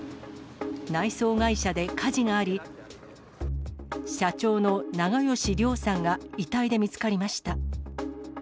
内装会社で火事があり、社長の長葭良さんが遺体で見つかりました。